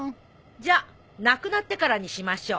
じゃなくなってからにしましょう。